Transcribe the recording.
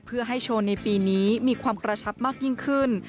เพื่อให้โชว์ในปีนี้มีความกระชับมากยิ่งขึ้น